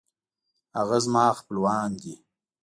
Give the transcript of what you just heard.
هغه زما خپلوان دی